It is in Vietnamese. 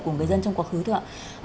của người dân trong quá khứ thôi ạ